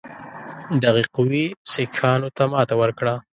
دغې قوې سیکهانو ته ماته ورکړه.